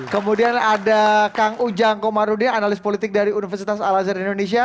kemudian ada kang ujang komarudia analis politik dari universitas alazizar indonesia